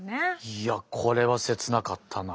いやこれは切なかったな。